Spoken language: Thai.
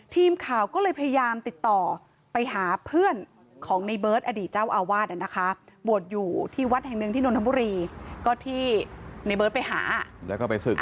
ทีมข่าวก็เลยพยายามติดต่อไปหาเพื่อนของในเบิร์ตอดีตเจ้าอาวาสนะคะบวชอยู่ที่วัดแห่งหนึ่งที่นนทบุรีก็ที่ในเบิร์ตไปหาแล้วก็ไปศึก